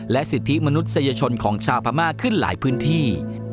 สิทธิมนุษยชนของชาวพม่าขึ้นหลายพื้นที่